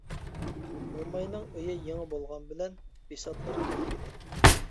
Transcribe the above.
موماينىڭ ئۆيى يېڭى بولغان بىلەن بىساتلار كونا ئىدى.